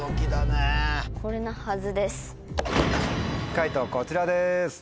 解答こちらです。